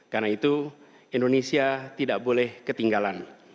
karena itu indonesia tidak boleh ketinggalan